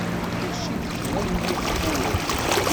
Mačči d kra n wufur.